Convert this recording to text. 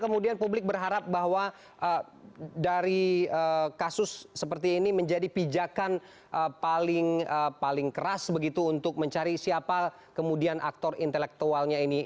kemudian publik berharap bahwa dari kasus seperti ini menjadi pijakan paling keras begitu untuk mencari siapa kemudian aktor intelektualnya ini